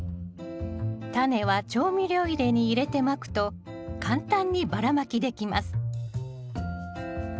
タネは調味料入れに入れてまくと簡単にばらまきできます